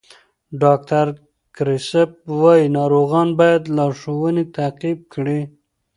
ډاکټر کریسپ وایي ناروغان باید لارښوونې تعقیب کړي.